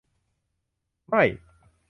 ไม่